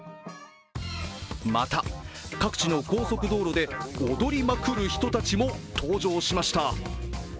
また、各地の高速道路で踊りまくる人たちも登場しました。